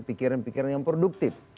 pikiran pikiran yang produktif